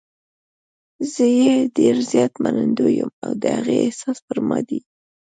زه یې ډېر زیات منندوی یم او د هغې احسان پر ما دی.